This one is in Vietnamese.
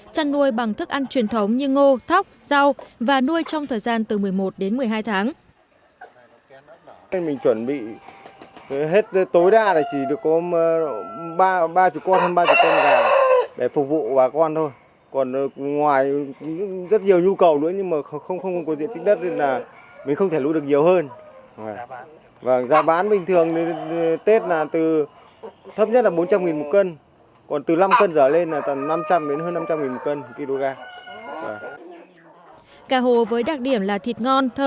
chân nuôi bằng thức ăn truyền thống như ngô thóc rau và nuôi trong thời gian từ một mươi một đến một mươi hai tháng